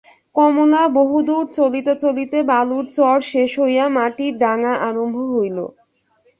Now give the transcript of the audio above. কমলা বহুদূর চলিতে চলিতে বালুর চর শেষ হইয়া মাটির ডাঙা আরম্ভ হইল।